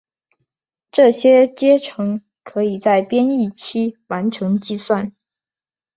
这些阶乘可以在编译期完成计算。